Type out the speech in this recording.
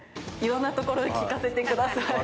いろんなところに効かせてください。